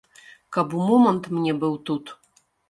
Каб у момант мне быў тут.